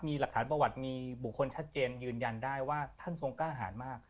มีหลักฐานประวัติมีบุคคลชัดเจนยืนยันได้ว่าท่านทรงกล้าหารมาก